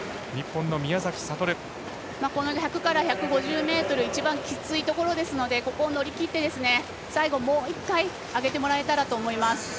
１００から１５０ｍ一番きついところですのでここを乗り切って最後、もう１回上げてもらえたらと思います。